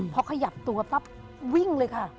พอขยับตัวปั๊บวิ่งเลยค่ะ